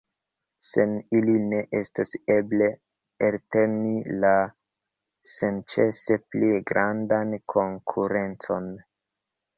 Sen ili ne estos eble elteni la senĉese pli grandan konkurencon.